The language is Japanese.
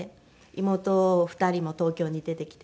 妹２人も東京に出てきて。